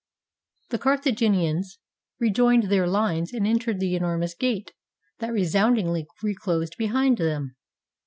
] The Carthaginians rejoined their lines and entered the enormous gate, that resoundingly reclosed behind them.